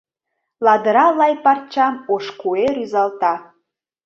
Ладыра лай парчам ош куэ рӱзалта.